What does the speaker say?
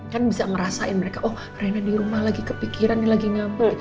kan bisa ngerasain mereka oh reyna dirumah lagi kepikiran lagi ngambek gitu